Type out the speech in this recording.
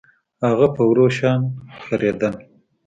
هغه په ورو شان خرېدل